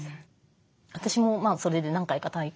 私もそれで何回か体験